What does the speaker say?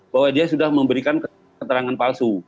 bahwa dia sudah memberikan keterangan palsu